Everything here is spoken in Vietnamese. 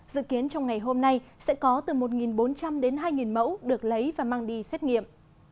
dự kiến trong ngày hôm nay sẽ có từ một bốn trăm linh đến hai mẫu được lấy và mang đi xét nghiệm